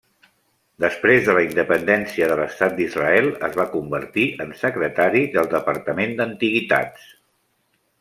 Després de la independència de l'estat d'Israel, es va convertir en secretari del Departament d'Antiguitats.